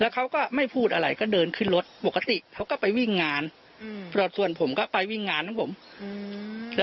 เขาก็ไม่พูดอะไรก็เดินขึ้นรถปกติเขาก็ไปวิ่งงานอืมส่วนผมก็ไปวิ่งงานของผมอืม